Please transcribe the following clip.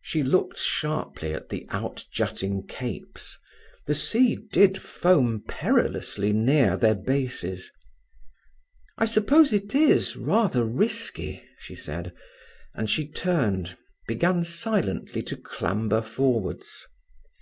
She looked sharply at the outjutting capes. The sea did foam perilously near their bases. "I suppose it is rather risky," she said; and she turned, began silently to clamber forwards.